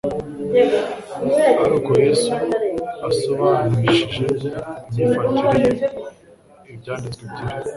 ari uko Yesu asobanurishije imyifatire ye Ibyanditswe byera.